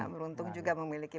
beruntung juga memiliki